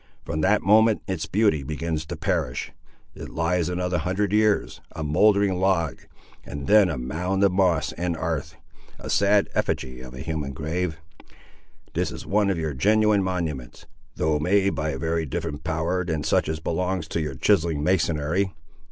From that moment its beauty begins to perish. It lies another hundred years, a mouldering log, and then a mound of moss and 'arth; a sad effigy of a human grave. This is one of your genuine monuments, though made by a very different power than such as belongs to your chiseling masonry!